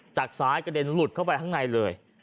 จากซ้ายกระเด็นหลุดเข้าไปข้างในเลย